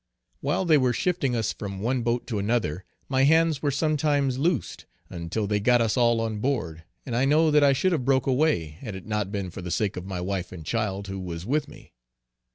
While they were shifting us from one boat to another, my hands were some times loosed, until they got us all on board and I know that I should have broke away had it not been for the sake of my wife and child who was with me.